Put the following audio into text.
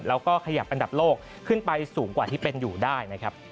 แล้วก็ขยับอันดับโลกขึ้นไปสูงกว่าที่เป็นอยู่ได้นะครับ